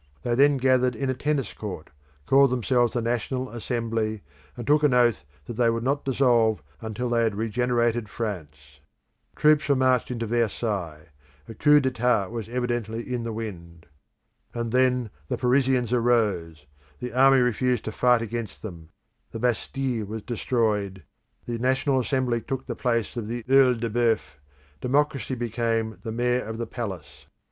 They then gathered in a tennis court, called themselves the National Assembly, and took an oath that they would not dissolve until they had regenerated France. Troops were marched into Versailles; a coup d'etat was evidently in the wind. And then the Parisians arose; the army refused to fight against them; the Bastille was destroyed; the National Assembly took the place of the OEil de Boeuf: democracy became the Mayor of the Palace.